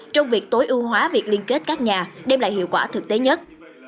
trong việc tối ưu hóa việc liên kết các nhà đem lại hiệu quả thực tế nhất